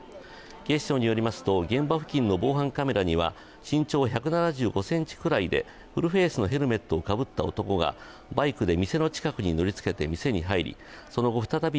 警視庁によりますと、現場付近の防犯カメラには身長１７５ｃｍくらいでフルフェイスのヘルメットをかぶった男がバイクで店の近くに乗りつけて店に入り、犯行は僅か数分間とみられ